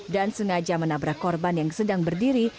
dan sengaja menabrak korban yang sedang berdiri